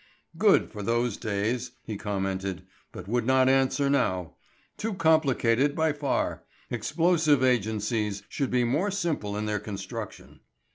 "Good for those days," he commented, "but would not answer now. Too complicated by far; explosive agencies should be more simple in their construction."